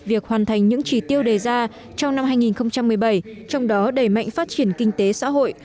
việc hoàn thành những chỉ tiêu đề ra trong năm hai nghìn một mươi bảy trong đó đẩy mạnh phát triển kinh tế xã hội